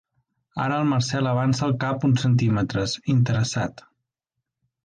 Ara el Marcel avança el cap uns centímetres, interessat.